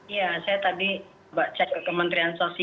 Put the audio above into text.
iya saya tadi mbak cek ke kementerian sosial